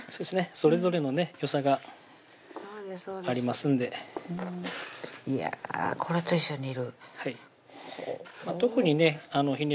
それぞれのねよさがありますんでいやこれと一緒に煮るほう特にねひね